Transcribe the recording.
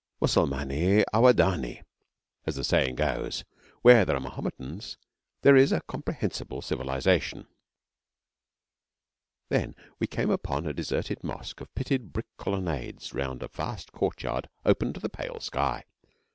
Musalmani awadani, as the saying goes where there are Mohammedans, there is a comprehensible civilisation. Then we came upon a deserted mosque of pitted brick colonnades round a vast courtyard open to the pale sky.